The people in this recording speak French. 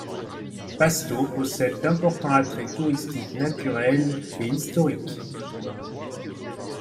Pasto possède d'importants attraits touristiques naturels et historiques.